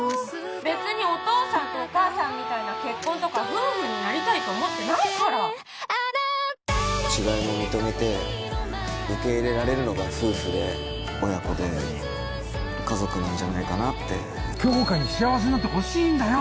別にお父さんとお母さんみたいな結婚とか夫婦になりたいと思ってないから違いも認めて受け入れられるのが夫婦で親子で家族なんじゃないかなって杏花に幸せになってほしいんだよ